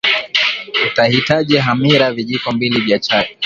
utahitaji hamira vijiko mbili vya chai